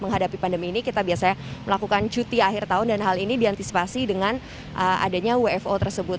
menghadapi pandemi ini kita biasanya melakukan cuti akhir tahun dan hal ini diantisipasi dengan adanya wfo tersebut